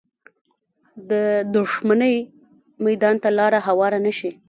د دښمنۍ میدان ته لاره هواره نه شي